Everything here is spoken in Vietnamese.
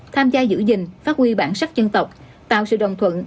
tham gia giữ gìn phát huy bản sắc dân tộc tạo sự đồng thuận